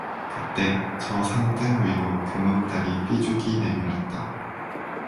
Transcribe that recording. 그때 저 산등 위로 그믐달이 삐죽이 내밀었다.